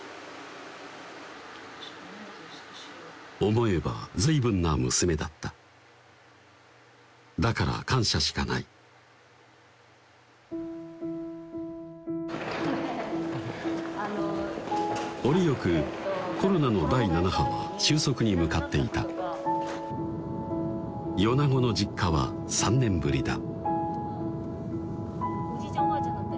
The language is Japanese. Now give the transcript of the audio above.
思えば随分な娘だっただから感謝しかない折よくコロナの第７波は収束に向かっていた米子の実家は３年ぶりだ